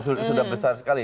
sudah besar sekali